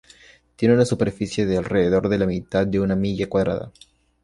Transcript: Tiene una superficie de alrededor de la mitad de una milla cuadrada.